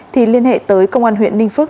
thì liên hệ tới công an huyện ninh phước